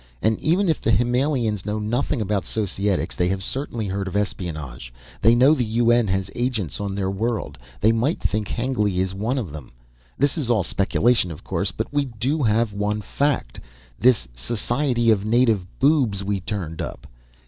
And even if the Himmelians know nothing about Societics, they have certainly heard of espionage. They know the UN has agents on their world, they might think Hengly is one of them. This is all speculation, of course, but we do have one fact this Society of Native Boobs we turned up.